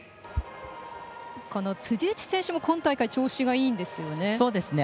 この辻内選手も今大会、調子がいいんですよね。